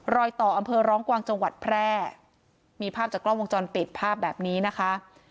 รอยต่ออำเภอร้องกวางจังหวัดแพร่มีภาพจากกล้องวงจรปิดภาพแบบนี้นะคะ